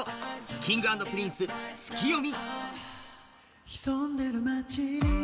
Ｋｉｎｇ＆Ｐｒｉｎｃｅ、「ツキヨミ」。